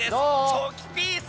チョキピース。